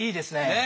ねえ。